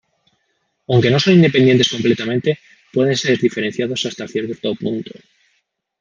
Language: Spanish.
Aunque no son independientes completamente, pueden ser diferenciados hasta cierto punto.